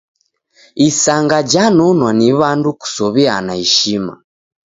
Isanga janonwa ni w'andu kusow'iana ishma.